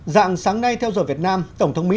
dạng sáng nay theo giờ việt nam tổng thống mỹ